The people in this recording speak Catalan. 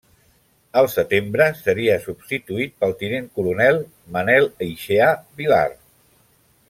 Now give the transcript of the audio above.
Al setembre seria substituït pel tinent coronel Manuel Eixea Vilar.